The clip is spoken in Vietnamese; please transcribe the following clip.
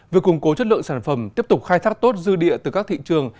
việc củng cố chất lượng sản phẩm tiếp tục khai thác tốt dư địa từ các thị trường